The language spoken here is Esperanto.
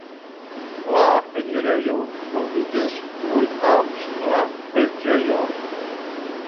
La enirejo troviĝas tuj apud la preĝejo.